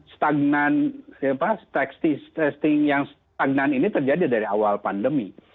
stagnan testing yang stagnan ini terjadi dari awal pandemi